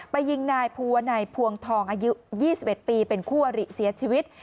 ยิงนายภูวนัยพวงทองอายุ๒๑ปีเป็นคู่อริเสียชีวิต